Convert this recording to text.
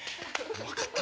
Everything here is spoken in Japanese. よかった。